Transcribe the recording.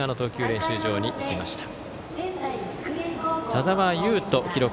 練習場にいました。